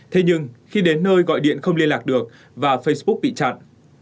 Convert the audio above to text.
thế nhưng khi đến nơi gọi điện không liên lạc được và facebook bị chặn